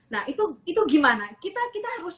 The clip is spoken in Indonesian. nah itu gimana kita harus